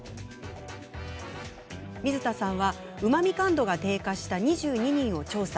水田さんはうまみ感度が低下した２２人を調査。